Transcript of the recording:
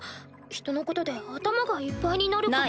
人のことで頭がいっぱいになること。